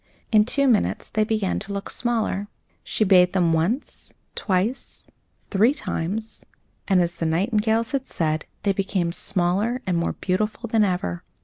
In two minutes they began to look smaller. She bathed them once, twice, three times, and, as the nightingales had said, they became smaller and more beautiful than ever.